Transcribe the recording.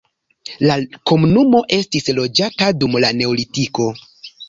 La komunumo estis loĝata dum la neolitiko.